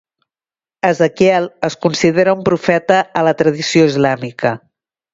Ezequiel es considera un profeta a la tradició islàmica.